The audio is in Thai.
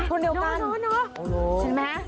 คนเดียวกัน